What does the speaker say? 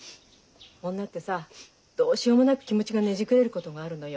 女ってさどうしようもなく気持ちがねじくれることがあるのよ。